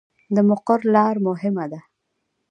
د مقر لاره مهمه ده